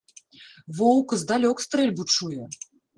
Воўк здалёк стрэльбу чуе!